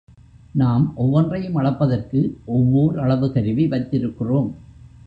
நாம் ஒவ்வொன்றையும் அளப்பதற்கு ஒவ்வோர் அளவு கருவி வைத்திருக்கிறோம்.